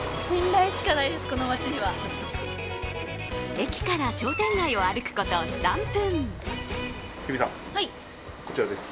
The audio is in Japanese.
駅から商店街を歩くこと３分。